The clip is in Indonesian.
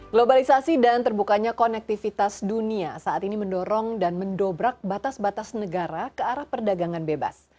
globalisasi dan terbukanya konektivitas dunia saat ini mendorong dan mendobrak batas batas negara ke arah perdagangan bebas